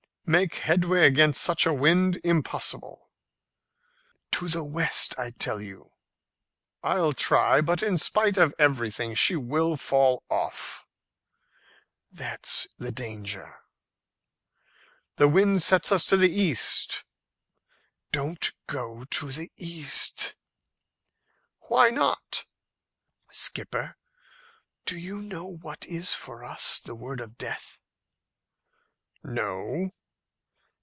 "Make headway against such a wind! Impossible." "To the west, I tell you." "I'll try, but in spite of everything she will fall off." "That's the danger." "The wind sets us to the east." "Don't go to the east." "Why not?" "Skipper, do you know what is for us the word of death?" "No."